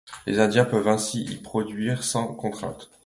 Les indiennes peuvent ainsi y être produites sans contraintes.